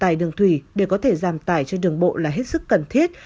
vận tải đường thủy để có thể giảm tải cho đường bộ là hết sức cần thiết